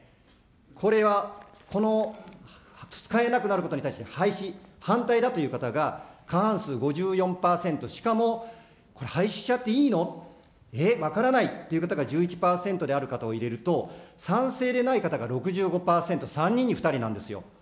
これは、この使えなくなることに対して、廃止、反対だという方が過半数５４％、しかもこれ廃止しちゃっていいの、え、分からないという方が１１％である方を入れると、賛成でない方が６５％、３人に２人なんですよ。